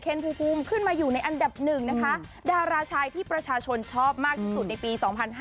ภูมิขึ้นมาอยู่ในอันดับหนึ่งนะคะดาราชายที่ประชาชนชอบมากที่สุดในปี๒๕๕๙